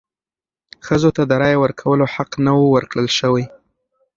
ښځو ته د رایې ورکولو حق نه و ورکړل شوی.